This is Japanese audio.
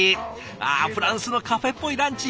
あフランスのカフェっぽいランチ。